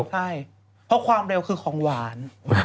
ใช่เพราะความเร็วคือของหวาน